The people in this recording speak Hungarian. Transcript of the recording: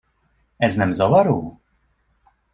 Ez nem zavaró?